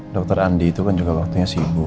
dokter andi itu kan juga waktunya sibuk